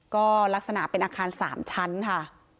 ก็ลักษณะเป็นอาคาร๓ชั้นค่ะ